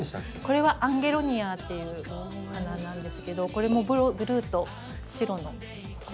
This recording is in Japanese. これはアンゲロニアっていうお花なんですけどこれもブルーと白のコントラストが。